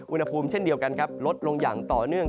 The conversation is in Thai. อุณหภูมิเช่นเดียวกันครับลดลงอย่างต่อเนื่อง